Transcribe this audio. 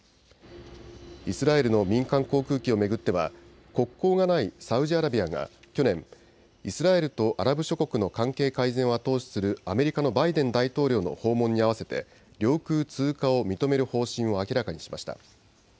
イスラエルの民間航空機を巡っては国交がないサウジアラビアが去年、イスラエルとアラブ諸国の関係改善を後押しするアメリカのバイデン大統領の訪問に合わせて領空通過を認める方針を明らかにしました。